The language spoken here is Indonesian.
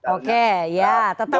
oke ya tetap